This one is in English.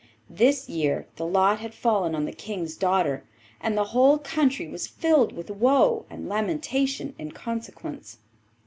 This year the lot had fallen on the King's daughter, and the whole country was filled with woe and lamentation in consequence.